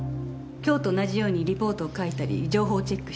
今日と同じようにリポートを書いたり情報をチェックしたり。